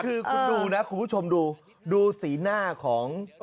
คือคุณดูนะคุณผู้ชมดูดูสีหน้าของ